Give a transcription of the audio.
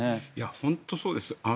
本当にそうです。